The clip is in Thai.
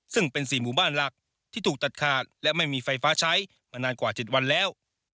ซึ่งเป็น๔หมู่บ้านหลักที่ถูกตัดขาดและไม่มีไฟฟ้าใช้มานานกว่า๗วันแล้ว